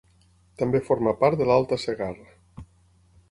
També forma part de l'Alta Segarra.